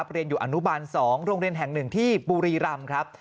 เรียนอยู่อนุบาล๒โรงเรียนแห่ง๑ที่บุรีรำครับ